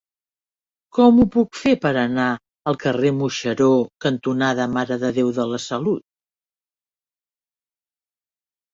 Com ho puc fer per anar al carrer Moixeró cantonada Mare de Déu de la Salut?